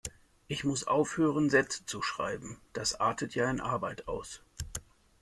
Ich muss aufhören Sätze zu schreiben, das artet ja in Arbeit aus.